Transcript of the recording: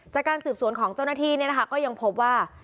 จากการสืบสวนของเจ้าหน้าที่ก็ยังพบว่า